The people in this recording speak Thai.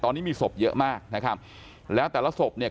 ตอนนี้มีศพเยอะมากนะครับแล้วแต่ละศพเนี่ย